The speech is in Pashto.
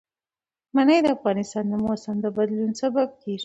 منی د افغانستان د موسم د بدلون سبب کېږي.